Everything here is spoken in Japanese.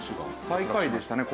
最下位でしたね